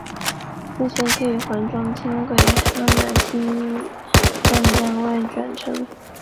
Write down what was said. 目前可与环状轻轨哈玛星站站外转乘。